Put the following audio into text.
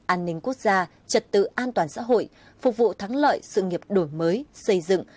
an ninh quốc gia trật tự an toàn xã hội phục vụ thắng lợi sự nghiệp đổi mới xây dựng